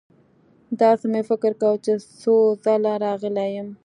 داسې مې فکر کاوه چې څو ځله راغلی یم.